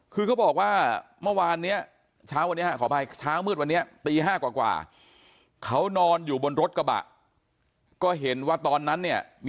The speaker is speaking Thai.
คือเขาบอกว่าเมื่อวานเนี่ย